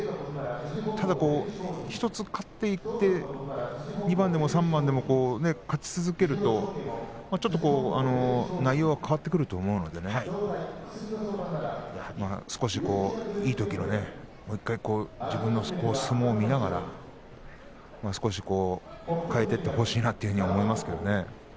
ただ１つ勝っていって２番でも３番でも勝ち続けると内容が変わってくると思うので少し、いいときの自分の相撲を見ながら変えていってほしいなというふうに思いますけどね。